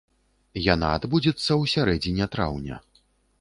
Яна адбудзецца ў сярэдзіне траўня.